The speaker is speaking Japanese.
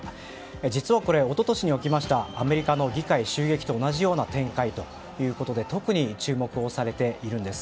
実はこれ一昨年に起きましたアメリカの議会襲撃と同じような展開ということで特に注目をされているんです。